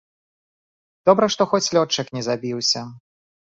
Добра, што хоць лётчык не забіўся.